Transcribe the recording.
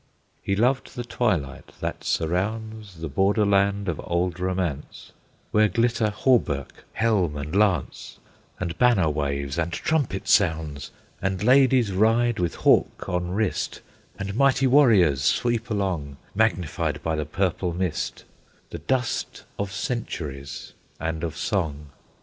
He loved the twilight that surrounds The border land of old romance; Where glitter hauberk, helm, and lance, And banner waves, and trumpet sounds, And ladies ride with hawk on wrist, And mighty warriors sweep along, Magnified by the purple mist, The dusk of centuries and of song.